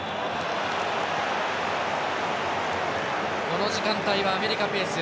この時間帯はアメリカペース。